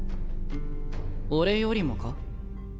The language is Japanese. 俺よりもか？